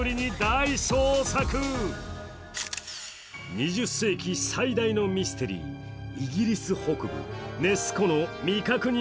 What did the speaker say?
２０世紀最大のミステリー、イギリス北部ネス湖の未確認